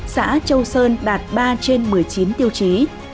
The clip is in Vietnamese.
xã châu sơn đạt ba trên một mươi chín tiêu chí